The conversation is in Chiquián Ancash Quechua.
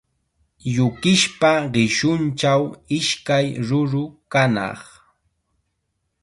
Yukispa qishunchaw ishkay ruru kanaq.